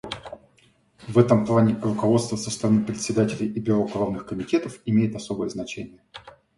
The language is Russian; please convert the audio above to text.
В этом плане руководство со стороны председателей и бюро главных комитетов имеет особое значение.